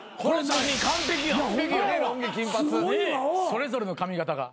それぞれの髪形が。